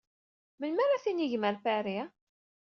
Melmi ara tinigem Ɣer Paris?